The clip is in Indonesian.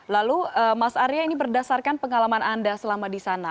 lalu mas arya ini berdasarkan pengalaman anda selama di sana